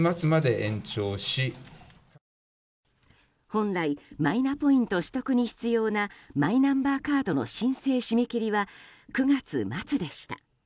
本来マイナポイント取得に必要なマイナンバーカードの申請締め切りは９月末でした。